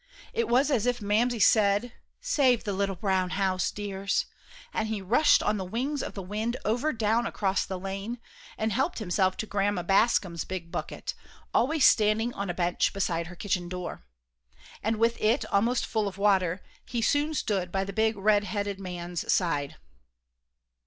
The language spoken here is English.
It was as if Mamsie said, "Save the little brown house, dears," and he rushed on the wings of the wind over down across the lane, and helped himself to Grandma Bascom's big bucket, always standing on a bench beside her kitchen door. And, with it almost full of water, he soon stood by the big red headed man's side.